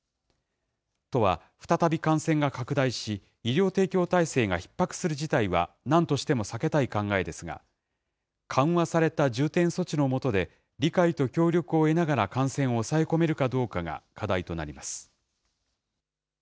都は再び感染が拡大し、医療提供体制がひっ迫する事態はなんとしても避けたい考えですが、緩和された重点措置のもとで、理解と協力を得ながら感染を抑え込めるかどうかが課題となります。